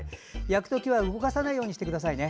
焼く時は動かさないようにしてくださいね。